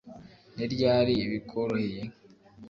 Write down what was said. Ni ryari bikworoheye